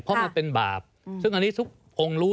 เพราะมันเป็นบาปซึ่งอันนี้ทุกองค์รู้